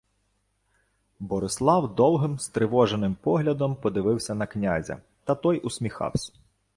Борислав довгим стривоженим поглядом подивився на князя, та той усміхавсь.